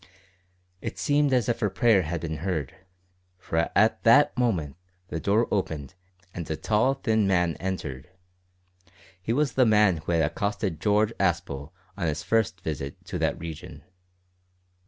It seemed as if her prayer had been heard, for at that moment the door opened and a tall thin man entered. He was the man who had accosted George Aspel on his first visit to that region.